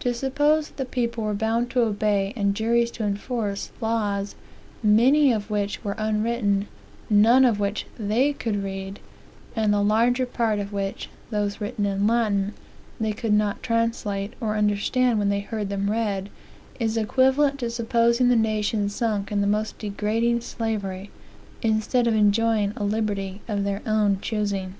To suppose that the people were bound to obey, and juries to enforce, laws, many of which were unwritten, none of which they could read, and the larger part of which (those written in Latin) they could not translate, or understand when they heard them read, is equivalent to supposing the nation sunk in the most degrading slavery, instead of enjoying a liberty of their own choosing.